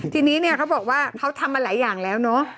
ทีนี้เนี่ยเขาบอกว่าเขาทำมาหลายอย่างแล้วเนอะ